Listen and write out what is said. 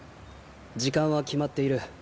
時間は決まっている。